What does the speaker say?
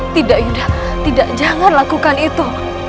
tidak yunda jangan lakukan itu